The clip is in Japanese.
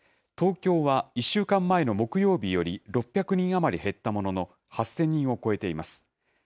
東京は１週間前の木曜日より６００人余り減ったものの、８０００人を超えています。